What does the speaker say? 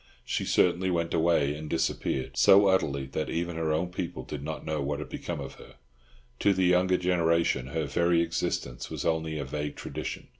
She certainly went away and disappeared so utterly that even her own people did not know what had become of her; to the younger generation her very existence was only a vague tradition.